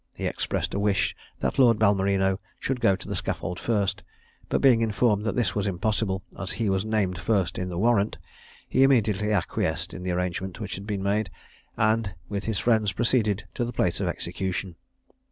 He expressed a wish that Lord Balmerino should go to the scaffold first; but being informed that this was impossible, as he was named first in the warrant, he immediately acquiesced in the arrangement which had been made, and with his friends proceeded to the place of execution.